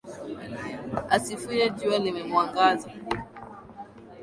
Asifuye jua limemwangaza